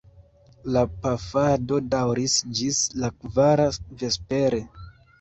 La pafado daŭris ĝis la kvara vespere.